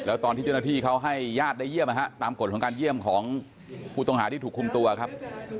แล้วตอนที่เจ้าหน้าที่เขาให้ญาติได้เยี่ยมตามกฎของการเยี่ยมของผู้ต้องหาที่ถูกคุมตัวครับ